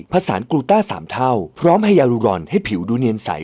ผสานกูลต้าสามเท่าพร้อมให้ยาวรุรรณให้ผิวดูเนียมใส